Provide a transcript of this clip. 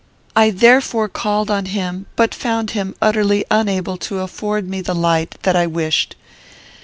I therefore called on him, but found him utterly unable to afford me the light that I wished.